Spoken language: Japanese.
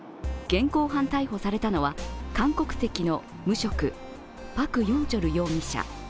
現行犯逮捕されたのは、韓国籍の無職、パク・ヨンチョル容疑者。